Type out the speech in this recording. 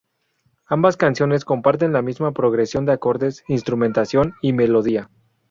Ambas canciones comparten la misma progresión de acordes, instrumentación y melodía.